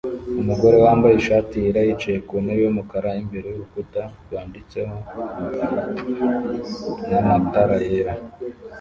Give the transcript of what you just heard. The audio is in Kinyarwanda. Umugore wambaye ishati yera yicaye ku ntebe yumukara imbere yurukuta rwanditsehona matara yera